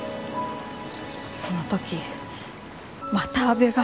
その時また阿部が。